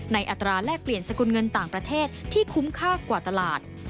อัตราแลกเปลี่ยนสกุลเงินต่างประเทศที่คุ้มค่ากว่าตลาด